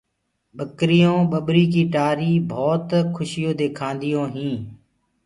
ٻڪريونٚ ٻٻريٚ ڪيٚ ٽآريٚ بهوت کُشيو دي کآنديو هينٚ۔